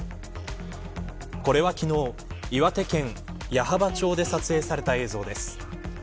これは昨日、岩手県矢巾町で撮影された映像です。